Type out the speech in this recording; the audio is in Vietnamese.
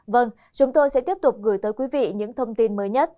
vâng chúng tôi sẽ tiếp tục gửi tới quý vị những thông tin